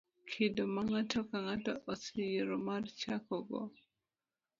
kido ma ng'ato ka ng'ato oseyiero mar chakogo.